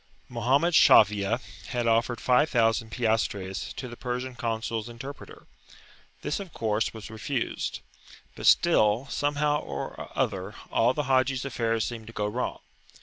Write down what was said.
Mohammed Shafi'a had offered 5,000 piastres to the Persian Consul's interpreter; this of course was refused, but still somehow or other all the Haji's affairs seemed to go wrong.